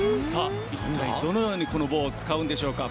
一体、どのようにこの棒を使うんでしょうか。